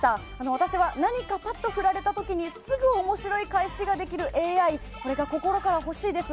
私は何かぱっと振られたときにすぐ面白い返しができるＡＩが心から欲しいです。